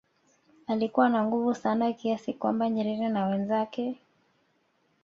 alikuwa na nguvu sana kiasi kwamba Nyerere na wenzake